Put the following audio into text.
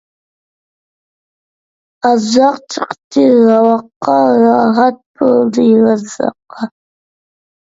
رازاق چىقتى راۋاققا، راھەت بولدى رازاققا.